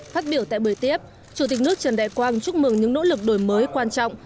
phát biểu tại buổi tiếp chủ tịch nước trần đại quang chúc mừng những nỗ lực đổi mới quan trọng